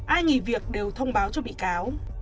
ai nghỉ việc đều thông báo cho bị cáo